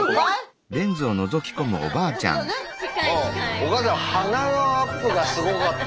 お母さん鼻のアップがすごかった。